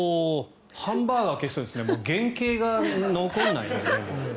ハンバーガーを消すと原型が残らないですね。